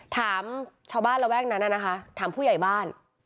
ถามชาวบ้านระแวกนั้นนะคะถามผู้ใหญ่บ้าน